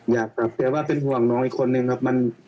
อยากกลับแต่ว่าเป็นห่วงน้องอีกคนนึงครับ